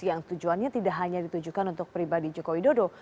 yang tujuannya tidak hanya ditujukan untuk pribadi jokowi dodo